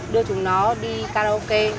đưa chúng nó đi karaoke